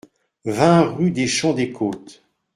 vingt rue des Champs des Côtes